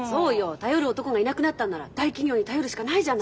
頼る男がいなくなったんなら大企業に頼るしかないじゃない！